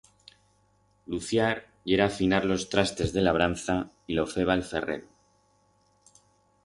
Luciar yera afinar los trastes de labranza y lo feba el ferrero.